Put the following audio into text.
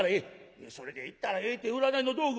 「いや『それでいったらええ』て占いの道具は扱われへん。